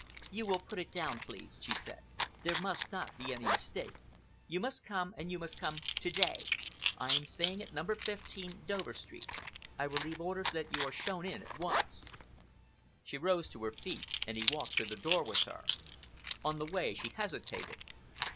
"You will put it down, please," she said. "There must not be any mistake. You must come, and you must come to day. I am staying at number 15, Dover Street. I will leave orders that you are shown in at once." She rose to her feet and he walked to the door with her. On the way she hesitated.